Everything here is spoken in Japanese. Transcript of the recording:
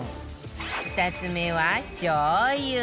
２つ目はしょう油